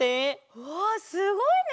うわすごいね！